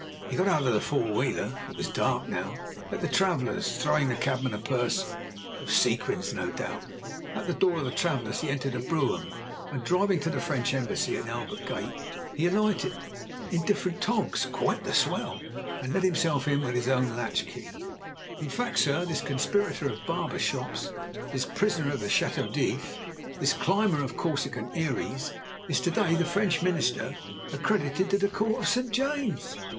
He got out of the four wheeler (it was dark now) at the Travellers', throwing the cabman a purse—of sequins, no doubt. At the door of the Travellers' he entered a brougham; and, driving to the French Embassy in Albert Gate, he alighted, in different togs, quite the swell, and let himself in with his own latch key. In fact, Sir, this conspirator of barbers' shops, this prisoner of the Château d'If, this climber of Corsican eyries, is to day the French Minister accredited to the Court of St. James's!